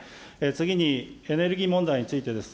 次に、エネルギー問題についてです。